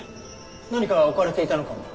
何か置かれていたのかも。